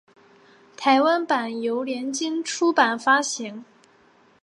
台湾版由联经出版发行。